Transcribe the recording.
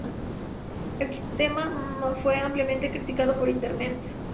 El tema fue ampliamente criticado en Internet.